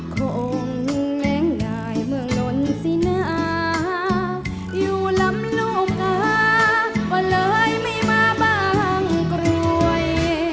คงแหง่ง่ายเมืองน้นสินะอยู่ลำล่มน้าวันเลยไม่มาบ้างกรวย